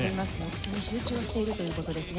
口に集中をしているという事ですね。